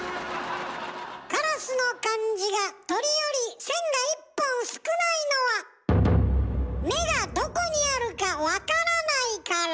カラスの漢字が「鳥」より線が一本少ないのは目がどこにあるかわからないから。